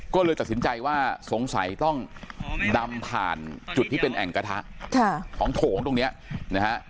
ก็เลยตัดสินใจว่าสงสัยต้องดำผ่านจุดที่เป็นแอ่งกระทะของโถงตรงนี้นะฮะ